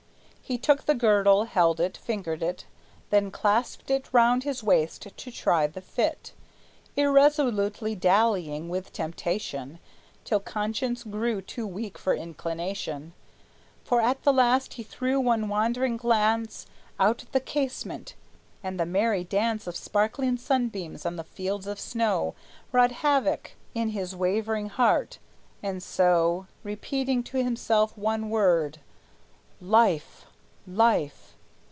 He took the girdle, held it, fingered it, Then clasped it round his waist to try the fit, Irresolutely dallying with temptation, Till conscience grew too weak for inclination; For at the last he threw one wandering glance Out at the casement, and the merry dance Of sparkling sunbeams on the fields of snow Wrought havoc in his wavering heart; and so, Repeating to himself one word: "Life, life!"